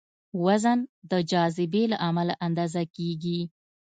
وزن د جاذبې له امله اندازه کېږي.